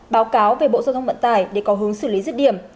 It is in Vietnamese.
báo cáo về bộ giao thông vận tải để có hướng xử lý dứt điểm